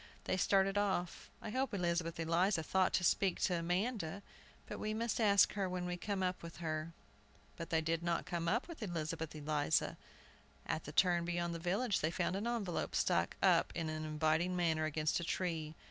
They started off. "I hope Elizabeth Eliza thought to speak to Amanda, but we must ask her when we come up with her." But they did not come up with Elizabeth Eliza. At the turn beyond the village, they found an envelope struck up in an inviting manner against a tree.